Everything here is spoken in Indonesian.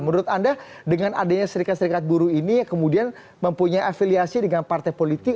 menurut anda dengan adanya serikat serikat buruh ini kemudian mempunyai afiliasi dengan partai politik